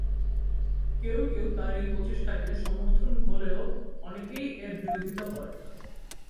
কেউ কেউ তার এই প্রচেষ্টাকে সমর্থন হলেও অনেকেই এর বিরোধিতা করে।